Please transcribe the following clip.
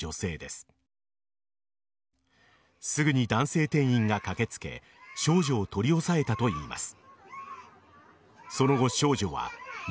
すぐに男性店員が駆けつけ少女を取り押さえたといいます。